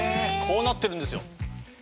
こうなってるんですよ。